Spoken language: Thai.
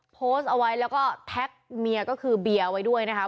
โพสต์เอาไว้แล้วก็แท็กเมียก็คือเบียร์ไว้ด้วยนะคะ